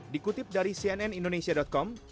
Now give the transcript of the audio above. dikutip dari cnn indonesia com